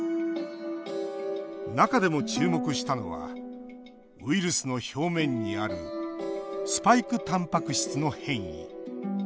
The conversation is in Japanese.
中でも注目したのはウイルスの表面にあるスパイクたんぱく質の変異。